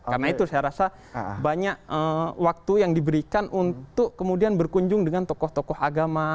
karena itu saya rasa banyak waktu yang diberikan untuk kemudian berkunjung dengan tokoh tokoh agama